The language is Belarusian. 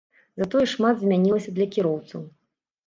Затое шмат змянілася для кіроўцаў.